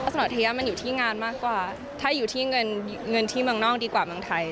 ถนนทะยะมันอยู่ที่งานมากกว่าถ้าอยู่ที่เงินที่เมืองนอกดีกว่าเมืองไทย